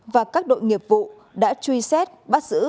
và các đội nghiệp vụ đã truy xét bắt giữ